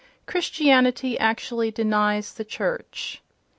Christianity actually denies the church....